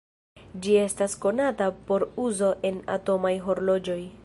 Ĝi estas konata por uzo en atomaj horloĝoj.